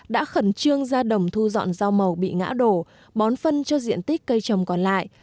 đã khẩn trương ra đồng thu dọn rau màu bị ngã đổ bón phân cho diện tích cây trồng còn lại